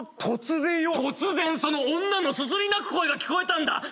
突然その女のすすり泣く声が聞こえたんだ。